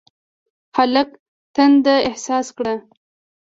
هلک تنده احساس کړه.